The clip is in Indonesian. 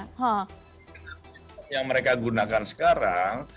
jadi yang mereka gunakan sekarang